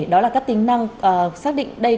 đó là các tính năng xác định đây